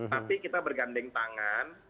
tapi kita bergandeng tangan